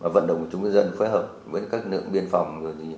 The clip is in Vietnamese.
vận động của chúng dân phối hợp với các nước biên phòng